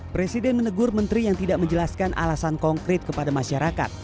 presiden menegur menteri yang tidak menjelaskan alasan konkret kepada masyarakat